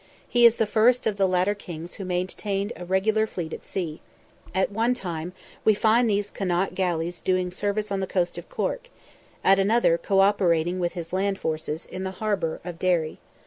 He is the first of the latter kings who maintained a regular fleet at sea; at one time we find these Connaught galleys doing service on the coast of Cork, at another co operating with his land forces, in the harbour of Derry.